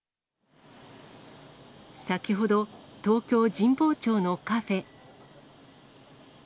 先ほど、東京・神保町のカフェ。